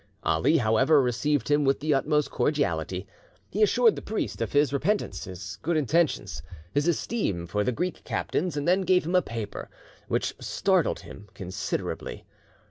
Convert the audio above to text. Ali, however, received him with the utmost cordiality: He assured the priest of his repentance, his good intentions, his esteem for the Greek captains, and then gave him a paper which startled him considerably.